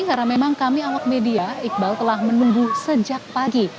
karena memang kami awal media iqbal telah menunggu sejak pagi